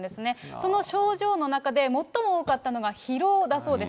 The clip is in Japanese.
その症状の中で、最も多かったのが疲労だそうです。